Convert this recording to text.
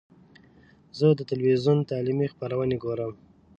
زه د ټلویزیون تعلیمي خپرونې ګورم.